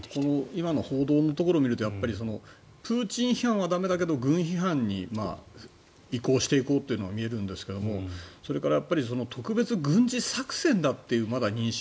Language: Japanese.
今の報道のところを見るとプーチン批判は駄目だけど軍批判に移行していこうというのが見えるんですがそれから特別軍事作戦だというまだ認識。